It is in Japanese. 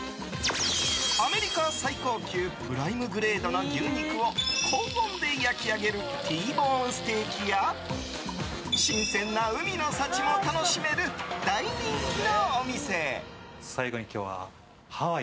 アメリカ最高級プライムグレードの牛肉を高温で焼き上げるＴボーンステーキや新鮮な海の幸も楽しめる大人気のお店。